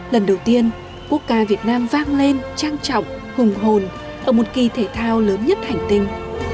lần đầu tiên quốc ca việt nam vang lên trang trọng hùng hồn ở một kỳ thể thao lớn nhất hành tinh